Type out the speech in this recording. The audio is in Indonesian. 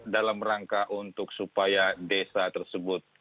dalam rangka untuk supaya desa tersebut